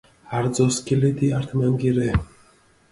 არძო სქილედი ართმანგი რე.